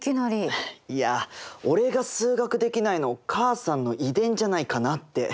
いや俺が数学できないの母さんの遺伝じゃないかなって。